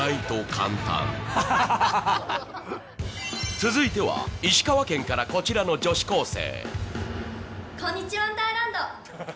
続いては石川県からこちらの女子高生。